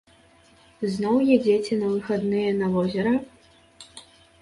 Зноў едзеце на выходныя на возера?